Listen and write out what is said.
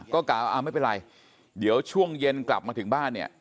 ก็กล่าว่าไม่เป็นไรเดี๋ยวช่วงเย็นกลับมาถึงบ้านเนี่ย